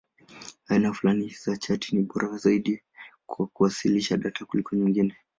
Aina fulani za chati ni bora zaidi kwa kuwasilisha data kuliko nyingine.